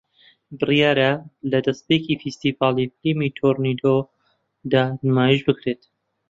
بڕیارە لە دەستپێکی فێستیڤاڵی فیلمی تۆرێنتۆ دا نمایش بکرێت